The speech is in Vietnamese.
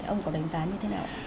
ông có đánh giá như thế nào